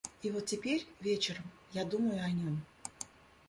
И вот теперь, вечером, я думаю о нем.